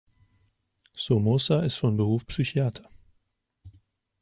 Somoza ist von Beruf Psychiater.